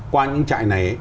qua những trại này